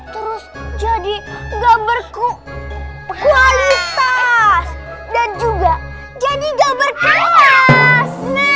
terus jadi gak berkualitas dan juga jadi gak berkualitas